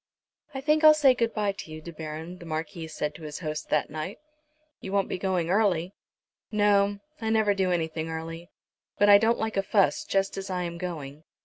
"I think I'll say good bye to you, De Baron," the Marquis said to his host, that night. "You won't be going early." "No; I never do anything early. But I don't like a fuss just as I am going.